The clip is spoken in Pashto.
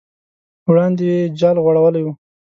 وړاندې یې جال غوړولی و.